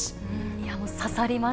いや、刺さります。